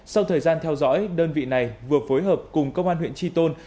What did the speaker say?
sau thời gian theo dõi đơn vị này vừa phối hợp cùng công an huyện tri tôn